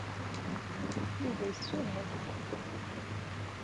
Yuba yesewham.